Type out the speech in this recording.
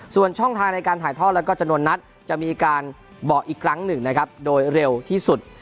ส่วนช่องทางในการถ่ายทอดและจนรณ์นัดจะมีการบอกอีกครั้งหนึ่งโดยเร็วที่สุด